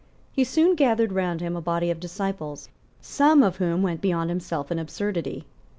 He soon gathered round him a body of disciples, some of whom went beyond himself in absurdity.